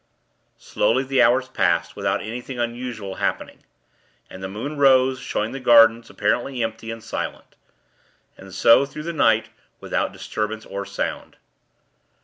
Slowly, the hours passed; without anything unusual happening. And the moon rose, showing the gardens, apparently empty, and silent. And so, through the night, without disturbance or sound.